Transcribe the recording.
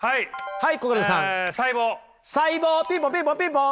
はい。